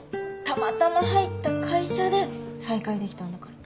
たまたま入った会社で再会できたんだから。